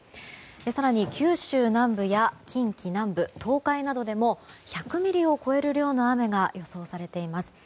更に九州南部や近畿南部東海などでも１００ミリを超える量の雨が予想されています。